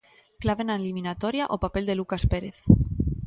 Clave na eliminatoria, o papel de Lucas Pérez.